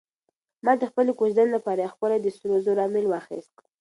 ما د خپلې کوژدنې لپاره یو ښکلی د سرو زرو امیل واخیست.